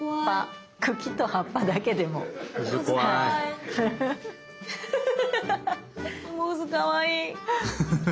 でもうずかわいい。